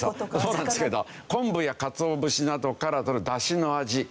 そうなんですけど昆布やかつお節などからとれるだしの味うま味。